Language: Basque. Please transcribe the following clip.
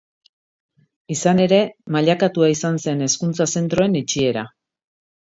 Izan ere, mailakatua izan zen hezkuntza zentroen itxiera.